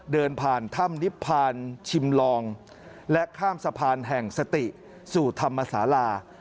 เดินผ่านถ้ำนิพพานชิมลองและข้ามสะพานแห่งสติสู่ธรรมศาลา